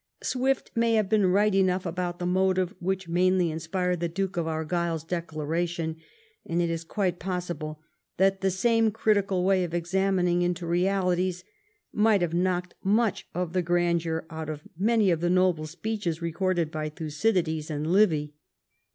Swift may have been right enough about the motive which mainly inspired the Duke of Argyle's declaration, and it is quite possible that the same critical way of examining into realities might have knocked much of the grandeur out of many of the noble speeches recorded by Thucydides or Livy.